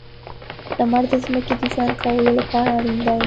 • لمر د ځمکې د ژوند کولو لپاره اړین دی.